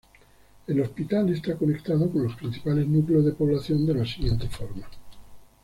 El hospital está conectado con los principales núcleos de población de la siguiente forma.